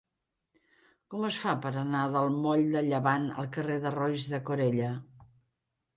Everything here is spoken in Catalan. Com es fa per anar del moll de Llevant al carrer de Roís de Corella?